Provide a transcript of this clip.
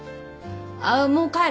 ああもう帰る？